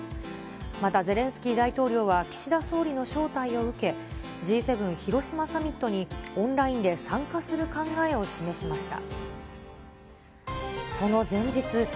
また、ゼレンスキー大統領は岸田総理の招待を受け、Ｇ７広島サミットにオンラインで参加する考えを示しました。